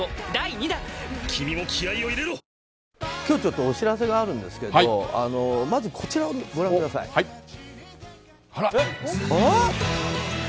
今日、ちょっとお知らせがあるんですけどまず、こちらをご覧ください。